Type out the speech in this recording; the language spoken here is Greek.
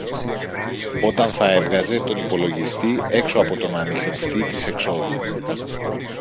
όταν θα έβγαζε τον υπολογιστή έξω από τον ανιχνευτή της εξόδου